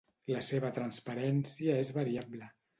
La seva transparència és variable.